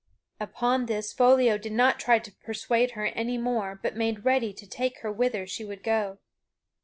Upon this, Foliot did not try to persuade her any more but made ready to take her whither she would go.